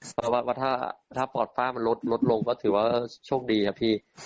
แต่ว่าถ้าปอดฟ้ามันลดลงก็ถือว่าช่วงดีครับพี่